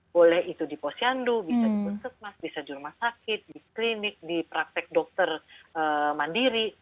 boleh itu di posyandu bisa di puskesmas bisa di rumah sakit di klinik di praktek dokter mandiri